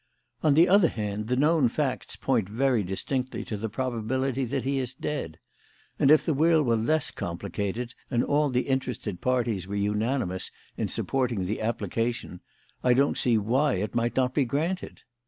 On the other hand, the known facts point very distinctly to the probability that he is dead; and, if the will were less complicated and all the interested parties were unanimous in supporting the application, I don't see why it might not be granted.